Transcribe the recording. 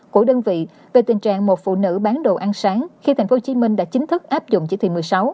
của đơn vị về tình trạng một phụ nữ bán đồ ăn sáng khi tp hcm đã chính thức áp dụng chỉ thị một mươi sáu